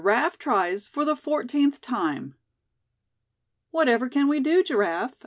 GIRAFFE TRIES FOR THE FOURTEENTH TIME. "Whatever can we do, Giraffe?"